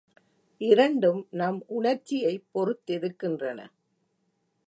இரண்டும் நம் உணர்ச்சியைப் பொறுத்திருக்கின்றன.